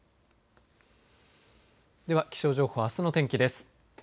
では気象情報、あすの天気です。